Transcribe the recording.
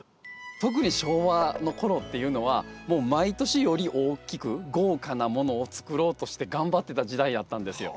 特に昭和の頃っていうのはもう毎年より大きく豪華なものを作ろうとして頑張ってた時代やったんですよ。